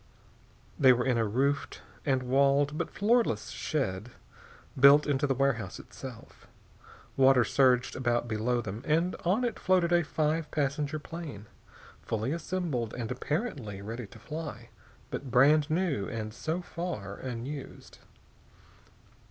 They were in a roofed and walled but floorless shed, built into the warehouse itself. Water surged about below them, and on it floated a five passenger plane, fully assembled and apparently ready to fly, but brand new and so far unused.